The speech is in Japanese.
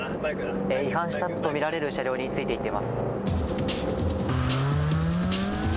違反したと見られる車両についていっています。